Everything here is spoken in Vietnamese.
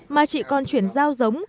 mà chị còn chuyển giao giống